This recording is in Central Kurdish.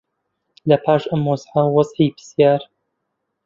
لەپاش ئەم وەزعە وەزعی پرسیار